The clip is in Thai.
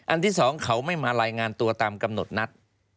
ที่สองเขาไม่มารายงานตัวตามกำหนดนัด